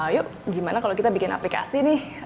ayo gimana kalau kita bikin aplikasi nih